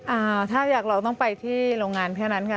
อ่าถ้าอยากเราต้องไปที่โรงงานแค่นั้นค่ะ